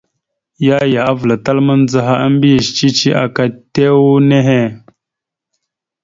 Yaya avəlatal mandzəha a mbiyez cici aka itew nehe.